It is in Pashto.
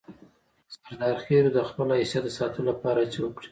سردارخېلو د خپل حیثیت د ساتلو لپاره هڅې وکړې.